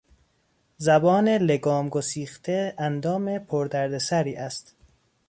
زبان لگام گسیخته اندام پر دردسری است.